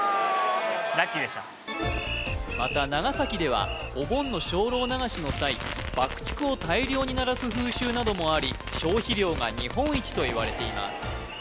ラッキーでしたまた長崎ではお盆の精霊流しの際爆竹を大量に鳴らす風習などもあり消費量が日本一といわれています